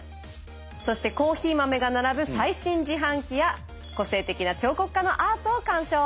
そしてコーヒー豆が並ぶ最新自販機や個性的な彫刻家のアートを鑑賞。